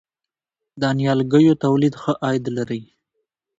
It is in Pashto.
د نیالګیو تولید ښه عاید لري؟